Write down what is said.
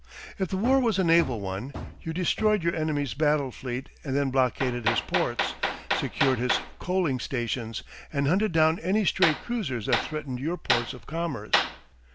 If the war was a naval one, you destroyed your enemy's battle fleet and then blockaded his ports, secured his coaling stations, and hunted down any stray cruisers that threatened your ports of commerce.